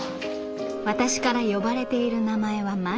「私から呼ばれている名前はマミ。